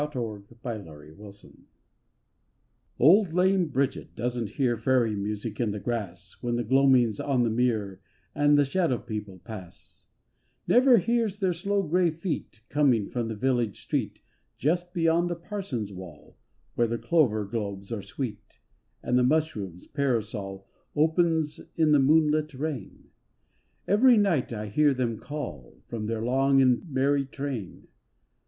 900 THE SHADOW PEOPLE Old lame Bridget doesn't hear Fairy music in the grass When the gloaming's on the mere And the shadow people pass: Never hears their slow grey feet Coming from the village street Just beyond the parson's wall, Where the clover globes are sweet And the mushroom's parasol Opens in the moonlit rain. Every night I hear them call From their long and merry train.